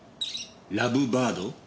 ラブバード？